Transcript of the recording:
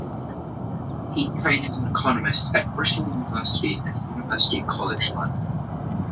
Peat trained as an economist at Bristol University and University College London.